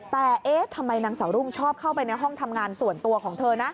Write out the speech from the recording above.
แต่เอ๊ะทำไมนางสาวรุ่งชอบเข้าไปในห้องทำงานส่วนตัวของเธอนะ